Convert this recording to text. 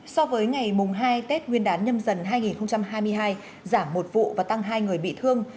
so với ngày mùng hai tết nguyên đán nhâm dần hai nghìn hai mươi hai giảm một vụ và tăng hai người bị thương